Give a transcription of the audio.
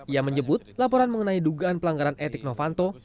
ia menyebut laporan mengenai dugaan pelanggaran etik novanto